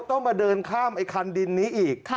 ต้องมาเดินข้ามไอ้คันดินนี้อีก